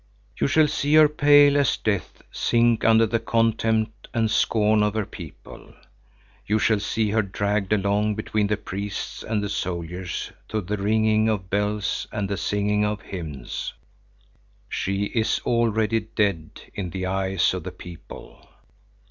You shall see her pale as death sink under the contempt and scorn of her people. You shall see her dragged along between the priests and the soldiers to the ringing of bells and the singing of hymns. She is already dead in the eyes of the people.